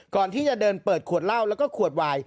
ก่อนที่จะเดินเปิดขวดเหล้าแล้วก็ขวดวาย